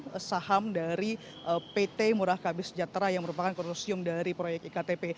beli saham dari pt murahkabis jatera yang merupakan kurusium dari proyek iktp